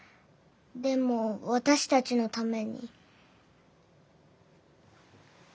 でも私たちのために。